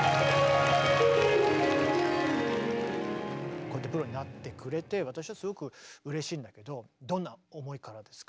こうやってプロになってくれて私はすごくうれしいんだけどどんな思いからですか？